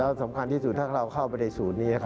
แล้วสำคัญที่สุดถ้าเราเข้าไปในศูนย์นี้